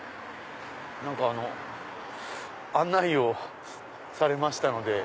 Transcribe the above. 何か案内をされましたので。